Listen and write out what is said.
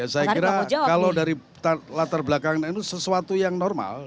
saya kira kalau dari latar belakang nu sesuatu yang normal